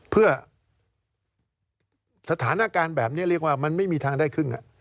เพื่อสถานการณ์แบบนี้เรียกว่ามันไม่มีทางได้ครึ่ง